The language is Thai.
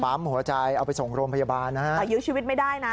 ปั๊มหัวใจเอาไปส่งโรงพยาบาลแต่ยืนชีวิตไม่ได้น่ะ